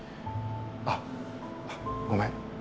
あっごめん。